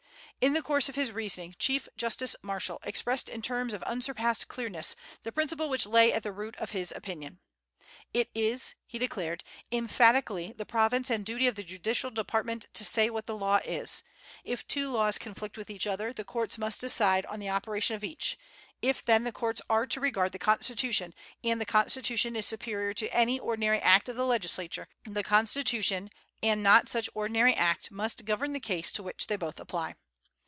In the course of his reasoning, Chief Justice Marshall expressed in terms of unsurpassed clearness the principle which lay at the root of his opinion. "It is," he declared, "emphatically the province and duty of the judicial department to say what the law is.... If two laws conflict with each other, the courts must decide on the operation of each.... If, then, the courts are to regard the Constitution, and the Constitution is superior to any ordinary Act of the Legislature, the Constitution and not such ordinary Act must govern the case to which they both apply.